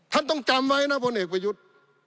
ท่านต้องจำไว้นะพลเอกประยุทธ์